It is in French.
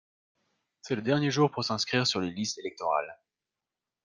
C'est le dernier jour pour s'inscrire sur les listes électorales.